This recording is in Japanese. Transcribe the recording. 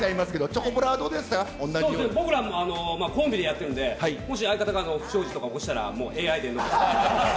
僕らもコンビでやってるんで、もし、相方が不祥事とか起こしたら、もうＡＩに。